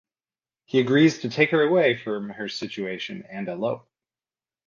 He agrees to take her away from her situation and elope.